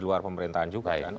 di luar pemerintahan juga ya